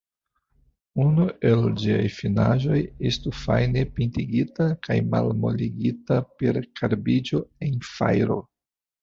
Unu el ĝiaj finaĵoj estu fajne pintigita kaj malmoligita per karbiĝo en fajro.